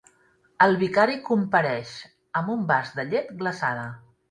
El vicari compareix amb un vas de llet glaçada.